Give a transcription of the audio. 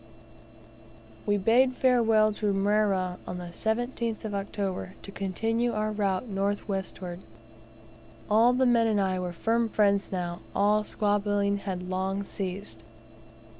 We bade farewell to Mrera on the 17th of October, to continue our route north westward. All the men and I were firm friends now; all squabbling had long ceased.